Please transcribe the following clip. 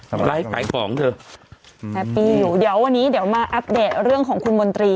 ทำร้ายขายของเถอะแฮปปี้อยู่เดี๋ยววันนี้เดี๋ยวมาอัปเดตเรื่องของคุณมนตรี